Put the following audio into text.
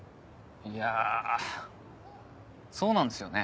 いやそうなんですよね。